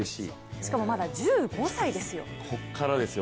しかもまだ１５歳ですよ。